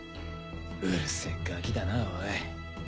うるせぇガキだなおい。